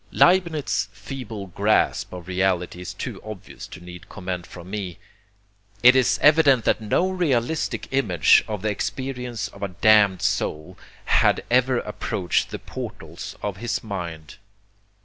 Leibnitz's feeble grasp of reality is too obvious to need comment from me. It is evident that no realistic image of the experience of a damned soul had ever approached the portals of his mind.